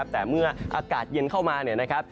แต่เมื่ออากาศเย็นเข้ามา